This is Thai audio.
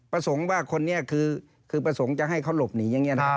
ประสงค์ว่าคนนี้คือประสงค์จะให้เขาหลบหนีอย่างนี้นะครับ